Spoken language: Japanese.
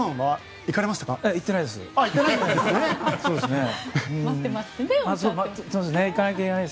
行ってないです。